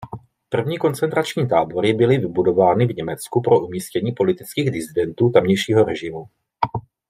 První koncentrační tábory byly vybudovány v Německu pro umístění politických disidentů tamějšího režimu.